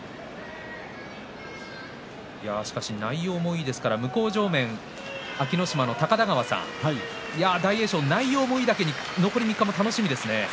しかし内容もいいですから向正面安芸乃島の高田川さん大栄翔、内容もいいだけに残り３日も楽しみですね。